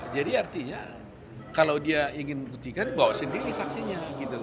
jadi artinya kalau dia ingin mengujikan bawa sendiri saksinya